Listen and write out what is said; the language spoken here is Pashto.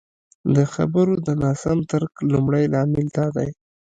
د خبرو د ناسم درک لمړی لامل دادی